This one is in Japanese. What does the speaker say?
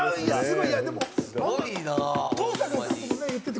すごいな。